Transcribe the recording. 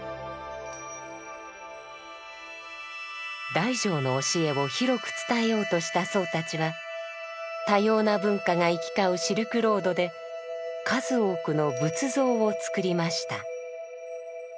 大乗の教えを広く伝えようとした僧たちは多様な文化が行き交うシルクロードで数多くの仏像を作りました。